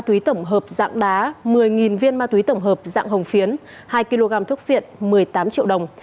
tuy tổng hợp dạng đá một mươi viên ma túy tổng hợp dạng hồng phiến hai kg thuốc viện một mươi tám triệu đồng